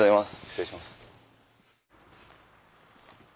失礼します。